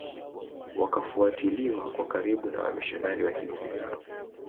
Wakafuatiliwa kwa karibu na wamishionari wa kikristo